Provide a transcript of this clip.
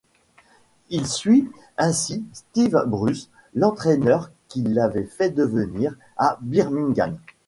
Il suit ainsi Steve Bruce, l'entraîneur qui l'avait fait venir à Birmingham.